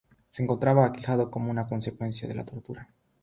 Se encontraba aquejado como consecuencia de la tortura.